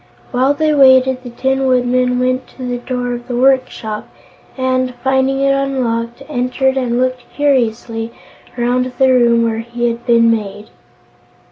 While they waited, the Tin Woodman went to the door of the workshop and, finding it unlocked, entered and looked curiously around the room where he had been made.